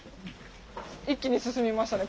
一気に進みましたね